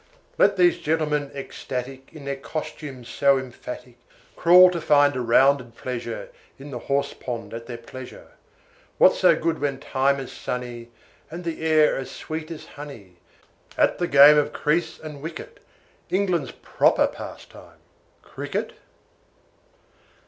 Let these gentlemen ecstatic, In their costumes so emphatic, Crawl to find a rounded treasure In the horse pond at their pleasure. What so good when time is sunny, And the air as sweet as honey, At the game of crease and wicket, England's proper pastime Cricket?